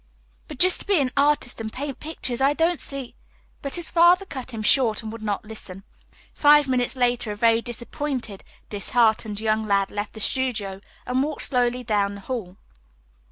"But just to be an artist and paint pictures, I don't see " But his father cut him short and would not listen. Five minutes later a very disappointed, disheartened young lad left the studio and walked slowly down the hall.